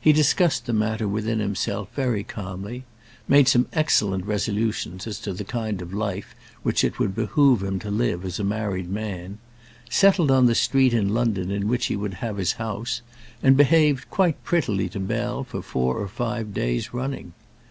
He discussed the matter within himself, very calmly; made some excellent resolutions as to the kind of life which it would behove him to live as a married man; settled on the street in London in which he would have his house, and behaved very prettily to Bell for four or five days running.